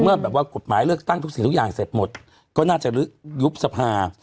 แบบว่ากฎหมายเลือกตั้งทุกสิ่งทุกอย่างเสร็จหมดก็น่าจะยุบสภา